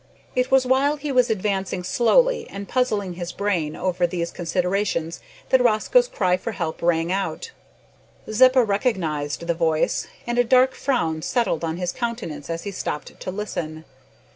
It was while he was advancing slowly, and puzzling his brain over these considerations, that Rosco's cry for help rang out. Zeppa recognised the voice, and a dark frown settled on his countenance as he stopped to listen.